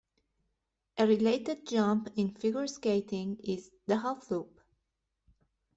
A related jump in figure skating is the "half loop".